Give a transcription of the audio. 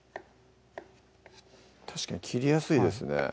確かに切りやすいですね